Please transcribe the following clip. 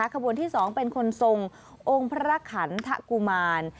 ขบวนที่๒เป็นคนทรงองค์พระขันทะกุมาร